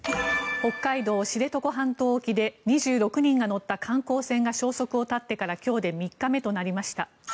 北海道・知床半島沖で２６人が乗った観光船が消息を絶ってから今日で３日目となりました。